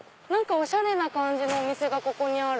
おしゃれな感じのお店がある。